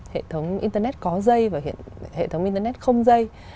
hệ thống internet có dây và hệ thống internet không dây